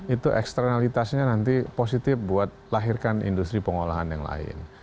itu eksternalitasnya nanti positif buat lahirkan industri pengolahan yang lain